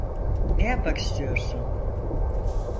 Ne yapmak istiyorsun?